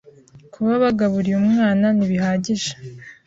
kuba bagaburiye umwana ntibihagije